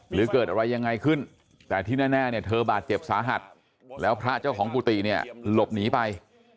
หรือเกิดอะไรยังไงขึ้นแต่ที่แน่เนี่ยเธอบาดเจ็บสาหัสแล้วพระเจ้าของกุฏิเนี่ยหลบหนีไป